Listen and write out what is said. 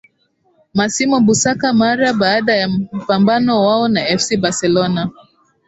masimo busaka mara baada ya mpambano wao na fc bercelona